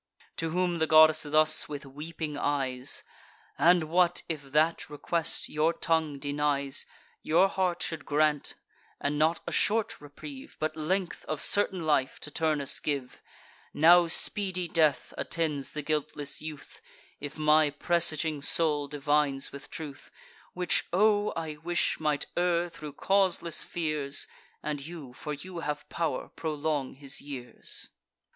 To whom the goddess thus, with weeping eyes: "And what if that request, your tongue denies, Your heart should grant; and not a short reprieve, But length of certain life, to Turnus give? Now speedy death attends the guiltless youth, If my presaging soul divines with truth; Which, O! I wish, might err thro' causeless fears, And you (for you have pow'r) prolong his years!"